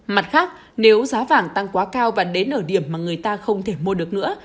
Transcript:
mặt khác nếu giá vàng tăng quá cao và đến ở điểm mà người ta không thể mua được nữa